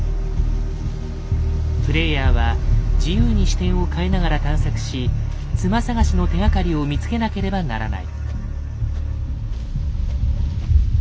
プレイヤーは自由に視点を変えながら探索し妻探しの手がかりを見つけなければならない。